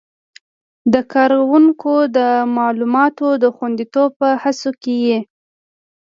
د کاروونکو د معلوماتو د خوندیتوب په هڅو کې یې